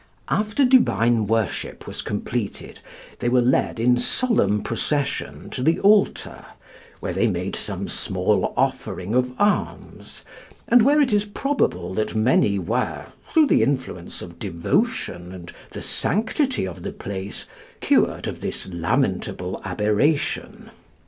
After divine worship was completed, they were led in solemn procession to the altar, where they made some small offering of alms, and where it is probable that many were, through the influence of devotion and the sanctity of the place, cured of this lamentable aberration.